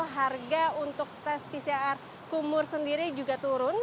harga untuk tes pcr kumur sendiri juga turun